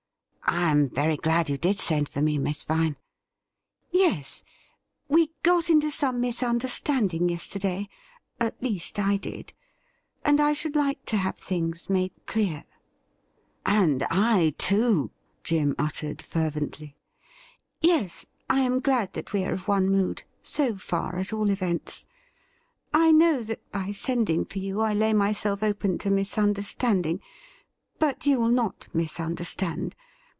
' I am very glad you did send for me, Miss Vine ''' Yes ; we got into some misunderstanding yesterday —■ at least, I did — and I should like to have things made clear.' ' And I, too,' Jim uttered fervently. ' Yes, I am glad that we are of one mood — so far, at all events. I know that by sending for you I lay myself open to misunderstanding — ^but you will not misunderstand.